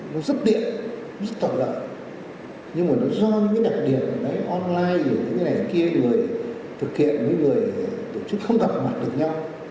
nó giúp điện giúp tạo lợi nhưng mà nó do những cái đặc điện online những cái này kia người thực hiện với người tổ chức không gặp mặt được nhau